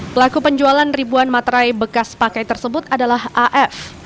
pelaku penjualan ribuan materai bekas pakai tersebut adalah af